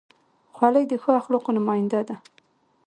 خولۍ د ښو اخلاقو نماینده ده.